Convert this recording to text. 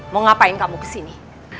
mau ngapain kamu kesini